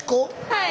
はい。